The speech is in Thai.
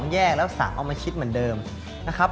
๒แยกแล้ว๓ลากมาชิดเหมือนเดิมนะครับ